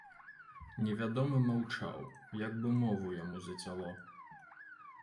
Невядомы маўчаў, як бы мову яму зацяло.